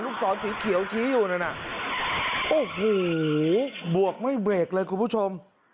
ศรสีเขียวชี้อยู่นั่นน่ะโอ้โหบวกไม่เบรกเลยคุณผู้ชม